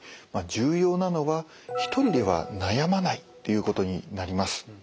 重要なのは一人では悩まないということになります。